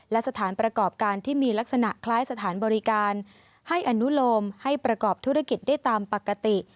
และสถานประกอบการที่มีลักษณะคล้ายสถานบริการให้อนุโลมให้ประกอบธุรกิจได้ตามปกติ